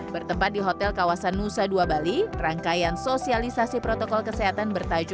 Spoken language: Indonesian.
bertempat di hotel kawasan nusa dua bali rangkaian sosialisasi panduan protokol kesehatan di nusa dua bali